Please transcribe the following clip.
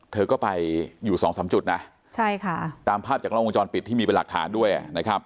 เธอก็ไปอยู่สองสามจุดนะใช่ค่ะตามภาพจากล้องวงจรปิดที่มีเป็นหลักฐานด้วยนะครับ